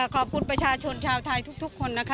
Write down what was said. ขอบคุณประชาชนชาวไทยทุกคนนะคะ